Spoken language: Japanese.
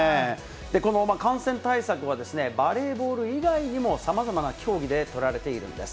この感染対策は、バレーボール以外にも、さまざまな競技で取られているんです。